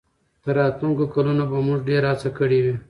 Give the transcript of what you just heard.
تر راتلونکو کلونو به موږ ډېره هڅه کړې وي.